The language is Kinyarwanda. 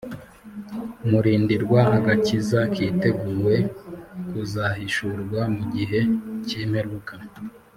murindirwa agakiza kiteguwe kuzahishurwa mu gihe cy'imperuka.